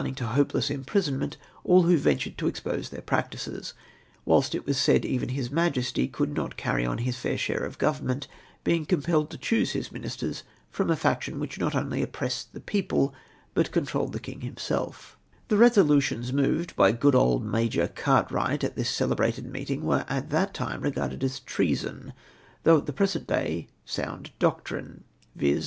An. Keg. vol. iv. p. 107. THE PART TAKExX BY ME ON THE REFORM QUESTION, ITjl hopeless imprisonment all who ventnred to expose their practices ; whilst, it was said, even His Majesty could not carry on his fair share of government, being compelled to choose his ministers from a faction which not only oppressed the people, but controlled the King himself The resolutions moved by good old Major Cart wright at this celebrated meeting were at that time regarded as treason, though at the present day sound doctrine, viz.